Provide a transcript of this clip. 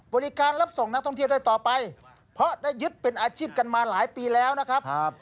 รับส่งนักท่องเที่ยวได้ต่อไปเพราะได้ยึดเป็นอาชีพกันมาหลายปีแล้วนะครับ